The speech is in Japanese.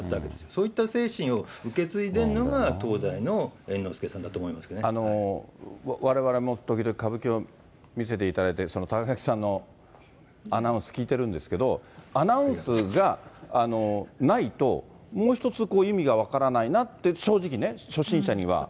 そういった精神を受け継いでるのが、われわれも時々、歌舞伎を見せていただいて、高木さんのアナウンス聞いてるんですけど、アナウンスがないと、もうひとつ意味が分からないなって、正直ね、初心者には。